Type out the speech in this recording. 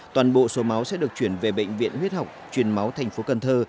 toàn bộ số máu sẽ được chuyển về bệnh viện huyết học truyền máu thành phố cần thơ